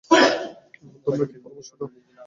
এখন তোমরা কী পরামর্শ দাও?